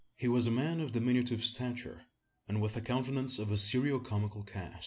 He was a man of diminutive stature, and with a countenance of a serio comical cast.